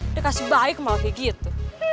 dia kasih baik malah kayak gitu